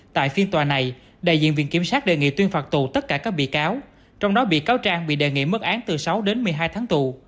tại phiên tòa này đại diện viện kiểm sát đề nghị tuyên phạt tù tất cả các bị cáo trong đó bị cáo trang bị đề nghị mức án từ sáu đến một mươi hai tháng tù